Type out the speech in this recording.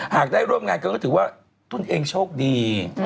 หากได้ร่วมงานกันก็ถือว่าตัวเองโชคดี